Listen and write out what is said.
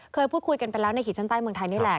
เคยพูดคุยกันไปแล้วในขีดชั้นใต้เมืองไทยนี่แหละ